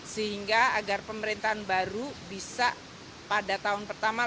sehingga agar pemerintahan baru bisa pada tahun pertama